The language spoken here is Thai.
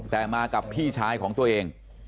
แต่มากับพี่ชายของตัวเอง